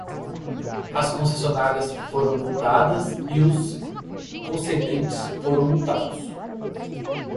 As concessionárias foram multadas e os concedentes foram multados